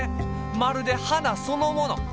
まるではなそのもの。